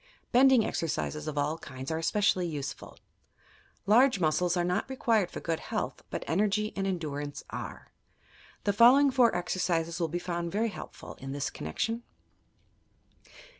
Bending exercises of all kinds are especially useful. Large muscles are not required for good health, but energy and endurance are. The following four exercises will be found very helpful, in this connection.